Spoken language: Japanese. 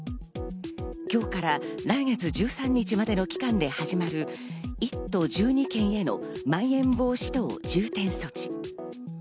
今日から来月１３日までの期間で始まる１都１２県へのまん延防止等重点措置。